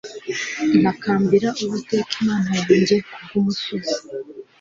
ntakambira Uwiteka Imana yanjye ku bw umusozi